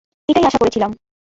এটাই আশা করেছিলাম।